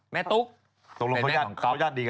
แม่ตุ๊กเป็นแม่ของก๊อบ